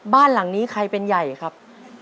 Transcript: บ้านหลังนี้ใครเป็นใหญ่ครับ